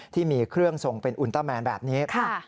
ที่มีเครื่องทรงเป็นอุณเตอร์แมนแบบนี้